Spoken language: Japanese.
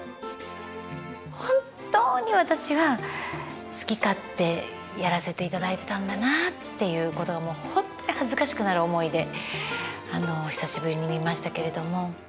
本当に私は好き勝手やらせていただいてたんだなっていうことが本当に恥ずかしくなる思いで久しぶりに見ましたけれども。